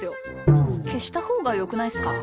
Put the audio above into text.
けしたほうがよくないっすか？